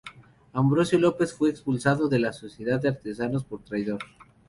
Ambrosio López fue expulsado de la Sociedad de Artesanos, por traidor.